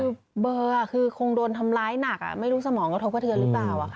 คือเบลอ่ะคือคงโดนทำร้ายหนักอ่ะไม่รู้สมองกระทบกับเธอรึเปล่าอ่ะค่ะ